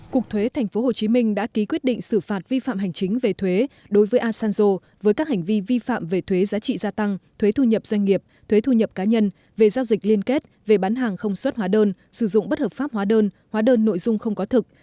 cục thuế tp hcm đã ký quyết định xử phạt vi phạm hành chính về thuế đối với asanzo với các hành vi vi phạm về thuế giá trị gia tăng thuế thu nhập doanh nghiệp thuế thu nhập cá nhân về giao dịch liên kết về bán hàng không xuất hóa đơn sử dụng bất hợp pháp hóa đơn hóa đơn nội dung không có thực